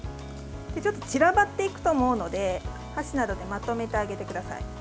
散らばっていくと思うので箸などでまとめてあげてください。